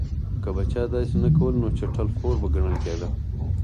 که به چا داسې نه کول نو چټل خور به ګڼل کېده.